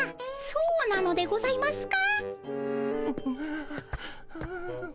そうなのでございますか？